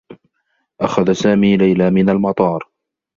أخذ سامي ليلى من المطار.